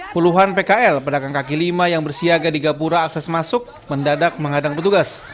puluhan pkl pedagang kaki lima yang bersiaga di gapura akses masuk mendadak menghadang petugas